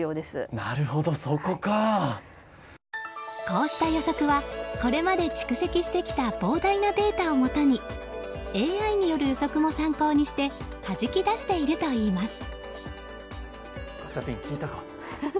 こうした予測はこれまで蓄積してきた膨大なデータをもとにＡＩによる予測も参考にしてはじき出しているといいます。